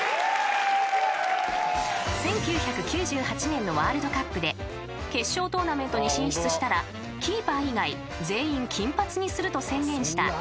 ［１９９８年のワールドカップで決勝トーナメントに進出したらキーパー以外全員金髪にすると宣言したルーマニア代表］